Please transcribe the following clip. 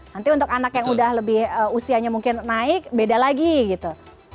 nanti untuk anak yang udah lebih usianya mungkin naik beda lagi gitu